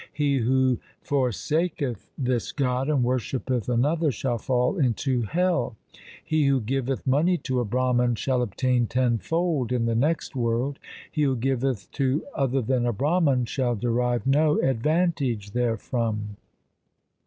He who forsaketh this god and worshippeth another shall fall into hell. He who giveth money to a Brahman shall obtain tenfold in the next world. He who giveth to other than a Brahman shall derive no advantage therefrom.